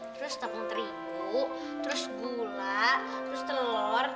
terus tepung terigu terus gula terus telur